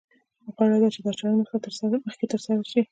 غوره ده چې دا چاره مخکې تر سره شي.